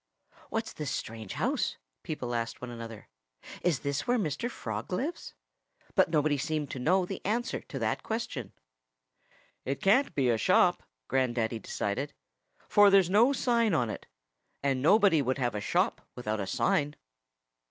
"What's this strange house?" people asked one another. "Is this where Mr. Frog lives?" But nobody seemed to know the answer to that question. "It can't be a shop," Grandaddy decided, "for there's no sign on it. And nobody would have a shop without a sign."